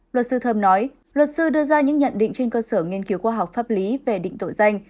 luật sư thơm nói luật sư đưa ra những nhận định trên cơ sở nghiên cứu khoa học pháp lý về định tội danh